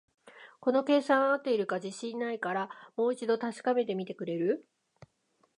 この計算、合ってるか自信ないから、もう一度確かめてみてくれる？